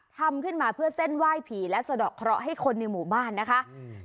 ทำขึ้นมาเพื่อเส้นไหว้ผีและสะดอกเคราะห์ให้คนในหมู่บ้านนะคะอืม